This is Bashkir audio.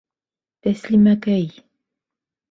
Тәслимәкәй!..